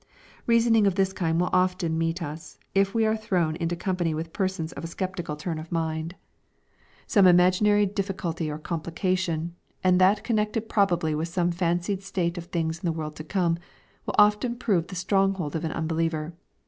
Reasoning of this kind will often meet us, if we are thrown into company with persons of a sceptical turn of LUKE, CHAP. XX. 839 mind. Some imaginary difficulty or complication, and that connected probably with some fancied state of things in the world to come, will often prove the strong hold of an unbeliever.